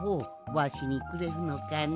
わしにくれるのかね？